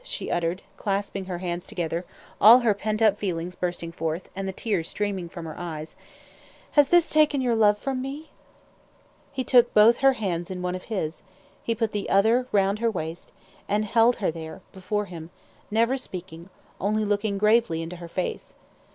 she uttered, clasping her hands together, all her pent up feelings bursting forth, and the tears streaming from her eyes, "has this taken your love from me?" He took both her hands in one of his, he put the other round her waist and held her there, before him, never speaking, only looking gravely into her face.